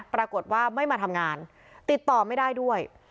ปรากฏว่าไม่มาทำงานติดต่อไม่ได้ด้วย